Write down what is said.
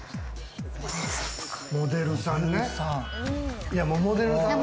モデルさんとか？